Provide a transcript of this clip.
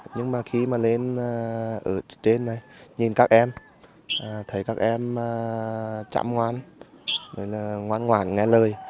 nhưng mà khi mà lên ở trên này nhìn các em thấy các em chạm ngoan ngoan ngoan nghe lời